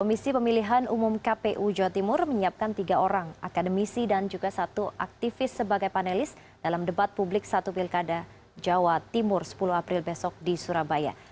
komisi pemilihan umum kpu jawa timur menyiapkan tiga orang akademisi dan juga satu aktivis sebagai panelis dalam debat publik satu pilkada jawa timur sepuluh april besok di surabaya